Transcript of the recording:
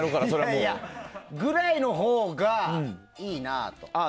いやいやぐらいのほうがいいなと。